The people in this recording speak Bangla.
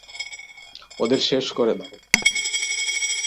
ওদের শেষ করে দাও!